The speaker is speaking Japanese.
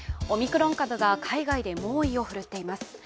オミクロン株が海外で猛威を振るっています。